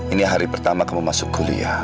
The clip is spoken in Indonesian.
ini hari pertama kamu masuk kuliah